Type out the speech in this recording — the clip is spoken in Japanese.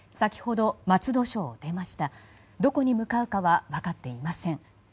どこに向かうかは分かっていません。